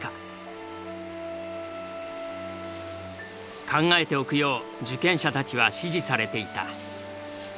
考えておくよう受験者たちは指示されていた。